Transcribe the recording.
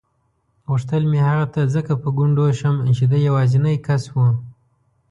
غوښتل مې هغه ته ځکه په ګونډو شم چې دی یوازینی کس و.